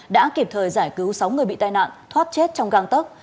đã kịp thời giải cứu sáu người bị tai nạn thoát chết trong găng tốc